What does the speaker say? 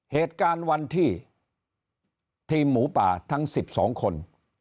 เหตุการณ์วันที่ทีมหมูป่าทั้ง๑๒คน